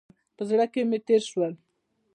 په زړه کې مې تېر شول.